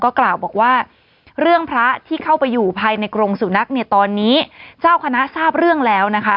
กล่าวบอกว่าเรื่องพระที่เข้าไปอยู่ภายในกรงสุนัขเนี่ยตอนนี้เจ้าคณะทราบเรื่องแล้วนะคะ